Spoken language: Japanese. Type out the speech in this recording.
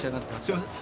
すいません。